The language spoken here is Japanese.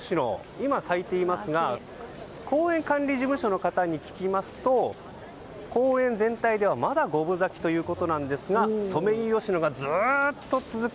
今、咲いていますが公園管理事務所の方に聞きますと公園全体ではまだ五分咲きということなんですがソメイヨシノがずっと続く